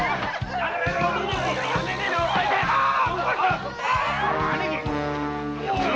やめろ！